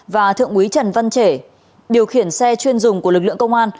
và thượng úy trần văn trể điều khiển xe chuyên dùng của lực lượng công an